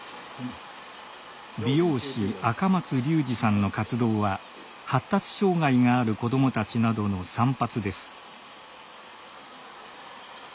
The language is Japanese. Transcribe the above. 美容師赤松隆滋さんの活動は発達障害がある子どもたちなどの散髪です。